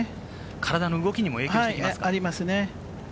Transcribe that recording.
体の動きにも影響してきありますね。